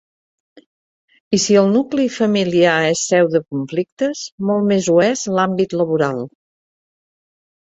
I si el nucli familiar és seu de conflictes, molt més ho és l'àmbit laboral.